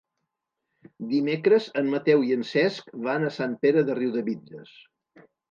Dimecres en Mateu i en Cesc van a Sant Pere de Riudebitlles.